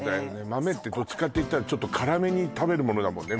豆ってどっちかっていったら辛めに食べるものだしね